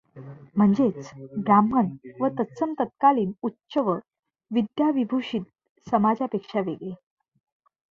म्हणजेच ब्राह्मण व तत्सम तत्कालीन उच्च व विद्याविभूषित समाजापेक्षा वेगळे.